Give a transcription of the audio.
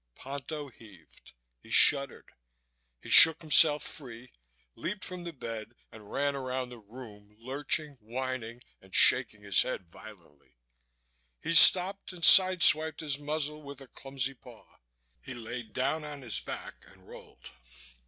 Ponto heaved. He shuddered. He shook himself free, leaped from the bed and ran around the room, lurching, whining and shaking his head violently. He stopped and sideswiped his muzzle with a clumsy paw. He lay down on his back and rolled.